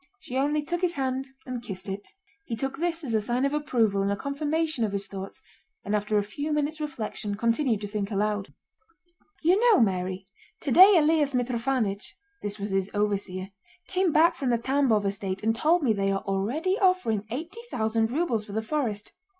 She only took his hand and kissed it. He took this as a sign of approval and a confirmation of his thoughts, and after a few minutes' reflection continued to think aloud. "You know, Mary, today Elias Mitrofánych" (this was his overseer) "came back from the Tambóv estate and told me they are already offering eighty thousand rubles for the forest."